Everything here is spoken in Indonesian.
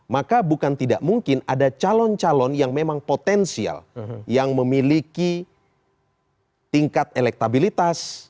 maka bukan tidak mungkin ada calon calon yang memang potensial yang memiliki tingkat elektabilitas